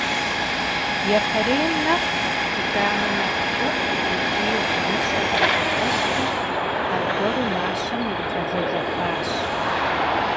Япэрейм нэхъ къудамэ нэхъ кӀыхь икӀи гъумыщӀэ зригъэпэщри, аргуэру мащэм иригъэлэлэхащ.